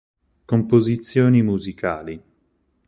Composizioni musicali.